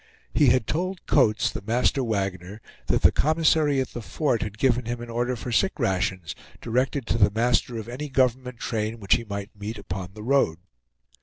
He had told Coates, the master wagoner, that the commissary at the fort had given him an order for sick rations, directed to the master of any government train which he might meet upon the road.